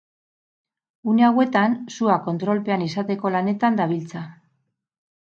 Une hauetan, sua kontrolpean izateko lanetan dabiltza.